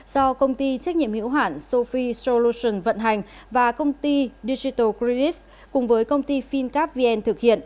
do công ty trách nhiệm hiểu hẳn sophie solutions vận hành và công ty digital credit cùng với công ty fincap vn thực hiện